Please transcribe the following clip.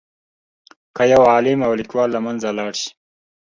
که یو عالم او لیکوال له منځه لاړ شي.